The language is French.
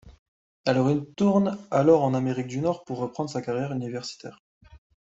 Elle retourne alors en Amérique du Nord pour reprendre sa carrière universitaire.